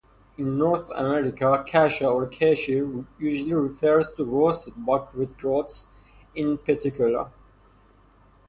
In North America "kasha" or "kashi" usually refers to roasted buckwheat groats in particular.